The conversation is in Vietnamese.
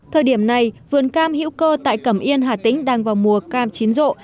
thời điểm này vườn cam hữu cơ tại cẩm yên hà tĩnh đang vào mùa cam chín rộ